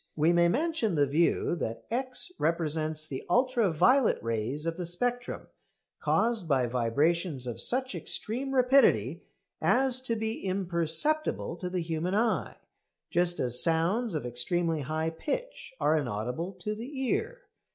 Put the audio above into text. We may mention the view that X represents the ultra violet rays of the spectrum, caused by vibrations of such extreme rapidity as to be imperceptible to the human eye, just as sounds of extremely high pitch are inaudible to the ear.